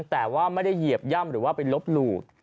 แต่ว่าไม่ได้เหยียบย่ำหรือว่าไปลบหลู่